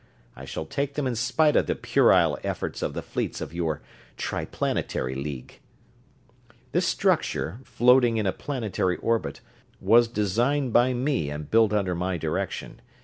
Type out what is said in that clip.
I shall take them in spite of the puerile efforts of the fleets of your Triplanetary League. "This structure, floating in a planetary orbit, was designed by me and built under my direction.